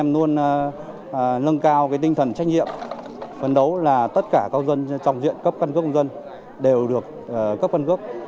nâng cao cái tinh thần trách nhiệm phấn đấu là tất cả các dân trong diện cấp căn cước công dân đều được cấp căn cước